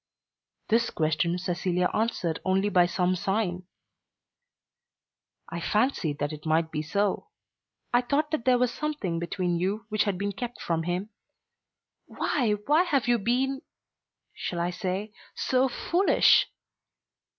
This question Cecilia answered only by some sign. "I fancied that it might be so. I thought that there was something between you which had been kept from him. Why, why have you been, shall I say so foolish?"